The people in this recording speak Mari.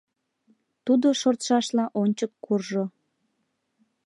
Тудо шортшашла ончык куржо.